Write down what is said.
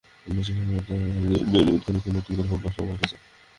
বেশির ভাগ অভিভাবকই মনে করেন, পরীক্ষা নিয়ে নতুন করে ভাবার সময় এসেছে।